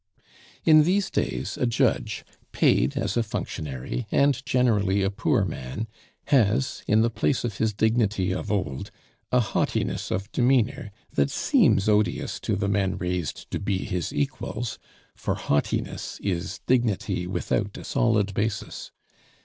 In these days a judge, paid as a functionary, and generally a poor man, has in the place of his dignity of old a haughtiness of demeanor that seems odious to the men raised to be his equals; for haughtiness is dignity without a solid basis.